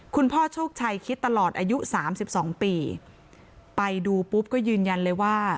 คุณพ่อโชคชัยคิดตลอดอายุ๓๒ปีไปดูปุ๊บก็ยืนยันเลยว่า